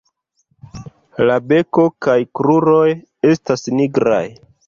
La beko kaj kruroj estas nigraj.